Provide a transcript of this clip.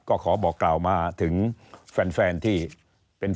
ก็ขอบอกกล่าวมาถึงแฟนที่เป็น